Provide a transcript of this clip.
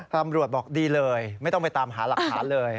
ตำรวจบอกดีเลยไม่ต้องไปตามหาหลักฐานเลย